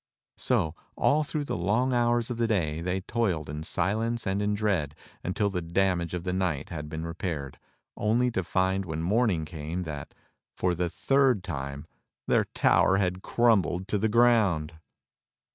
So all through the long hours of the day they toiled in silence and in dread until the damage of the night had been repaired, only to find when morning came that, for the third time, their tower had crumbled to the ground.